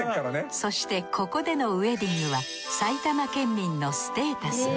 そしてここでのウエディングは埼玉県民のステータス。